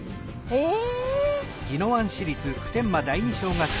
へえ。